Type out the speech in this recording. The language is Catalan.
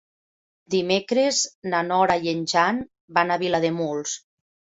Dimecres na Nora i en Jan van a Vilademuls.